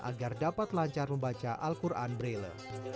agar dapat lancar membaca al quran braille